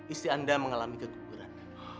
istri anda mengalami ketukuran